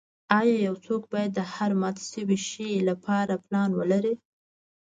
ایا یو څوک باید د هر مات شوي شی لپاره پلان ولري